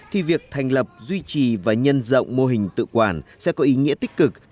thì việc thành lập duy trì và nhân rộng mô hình tự quản sẽ có ý nghĩa tích cực